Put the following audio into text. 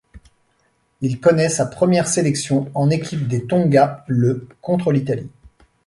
Il connaît sa première sélection en équipe des Tonga le contre l'Italie.